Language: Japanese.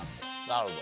なるほど。